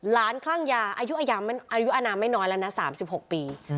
คลั่งยาอายุอนามไม่น้อยแล้วนะ๓๖ปี